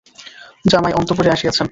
জামাই অন্তঃপুরে আসিয়াছেন।